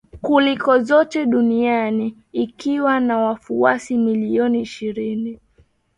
kuliko zote duniani ikiwa na wafuasi bilioni ishirini